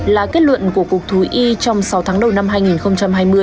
là kết luận của cục thú y trong sáu tháng đầu năm hai nghìn hai mươi